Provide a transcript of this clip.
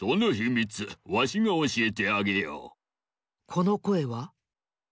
このこえは？